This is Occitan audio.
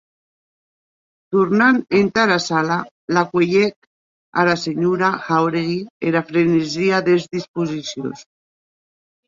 Tornant entara sala, la cuelhec ara senhora Jáuregui era frenesia des disposicions.